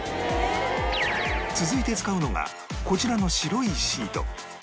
続いて使うのがこちらの白いシート